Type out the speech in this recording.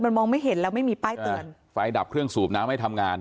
มันมองไม่เห็นแล้วไม่มีป้ายเตือนไฟดับเครื่องสูบน้ำให้ทำงาน